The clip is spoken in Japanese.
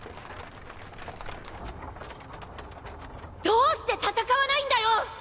どうして戦わないんだよ！